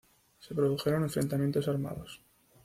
Se produjeron enfrentamientos armados.